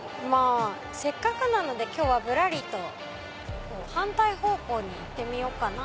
せっかくなので今日はぶらりと反対方向に行ってみようかな。